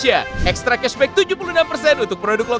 ya allah kuatkan istri hamba menghadapi semua ini ya allah